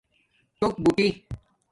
ٹݸک بݸٹی